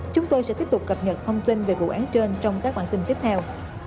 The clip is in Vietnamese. chúng tôi sẽ tiếp tục cập nhật thông tin về vụ án trên trong các bản tin tiếp theo